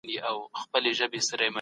تاسو په خپل وطن کي کوم ځای خوښوئ؟